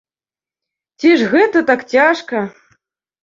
Ці ж гэта так цяжка?